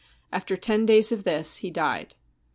After ten days of this he died.